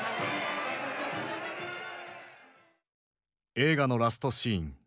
映画のラストシーン。